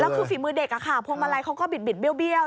คือฝีมือเด็กพวงมาลัยเขาก็บิดเบี้ยว